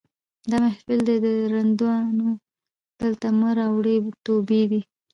دا محفل دی د رندانو دلته مه راوړه توبې دي